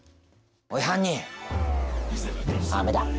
おい犯人、あめだ。